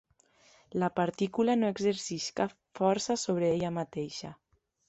La partícula no exerceix cap força sobre ella mateixa.